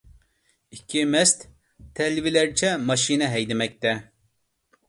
ئىككى مەست تەلۋىلەرچە ماشىنا ھەيدىمەكتە.